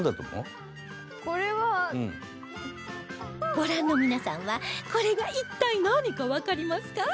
ご覧の皆さんはこれが一体何かわかりますか？